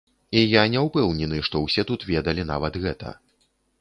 І я не ўпэўнены, што ўсе тут ведалі нават гэта.